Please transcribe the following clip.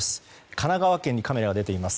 神奈川県にカメラが出ています。